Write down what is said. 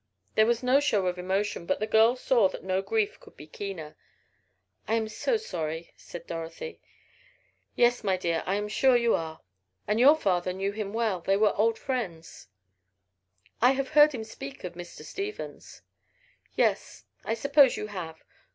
There was no show of emotion, but the girl saw that no grief could be keener. "I am so sorry," said Dorothy. "Yes, my dear, I am sure you are. And your father knew him well. They were very old friends." "I have heard him speak of Mr. Stevens." "Yes, I suppose you have.